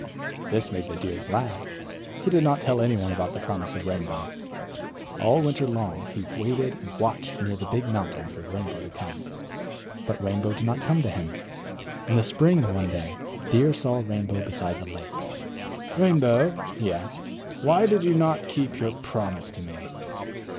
This made the Deer glad. He did not tell anyone about the promise of Rainbow. All winter long, he waited and watched near the big mountain for Rainbow to come; but Rainbow did not come to him. In the spring, one day, Deer saw Rainbow beside the lake. "Rainbow," he asked, "why did you not keep your promise to me?"